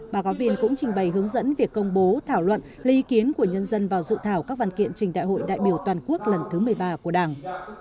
báo cáo viên cũng trình bày hướng dẫn việc công bố thảo luận lý kiến của nhân dân vào dự thảo các văn kiện trình đại hội đại biểu toàn quốc lần thứ một mươi ba của đảng